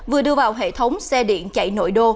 vừa đưa vào hệ thống xe điện chạy nội đô